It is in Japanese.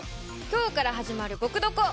今日から始まる「ぼくドコ」！